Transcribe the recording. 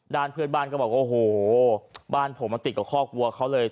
เพื่อนบ้านก็บอกว่าโอ้โหบ้านผมมันติดกับข้อกลัวเขาเลย